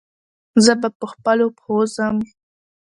زه به پخپلو پښو ځم.